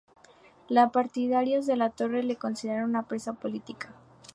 Los partidarios de Torres la consideran una presa política.